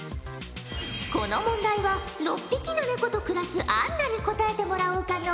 この問題は６匹のネコと暮らすアンナに答えてもらおうかのう。